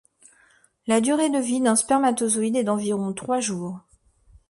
La durée de vie d'un spermatozoïde est d'environ trois jours.